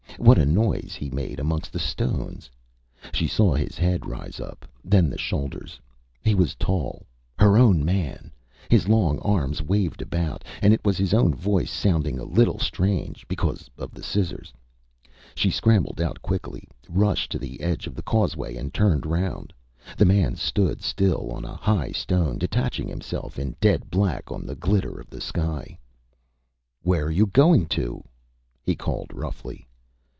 What a noise he made amongst the stones. ... She saw his head rise up, then the shoulders. He was tall her own man! His long arms waved about, and it was his own voice sounding a little strange ... because of the scissors. She scrambled out quickly, rushed to the edge of the causeway, and turned round. The man stood still on a high stone, detaching himself in dead black on the glitter of the sky. ÂWhere are you going to?Â he called, roughly.